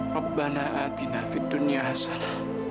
rabbana atina fid dunya hasalah